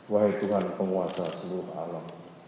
wahai tuhan penguasa seluruh alam